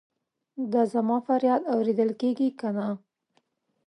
دا زما فریاد اورېدل کیږي کنه؟